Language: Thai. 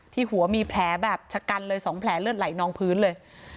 หัวมีแผลแบบชะกันเลย๒แผลเลือดไหลนองพื้นเลย